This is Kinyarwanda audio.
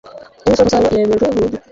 imisoro ku musaruro yemejwe burundu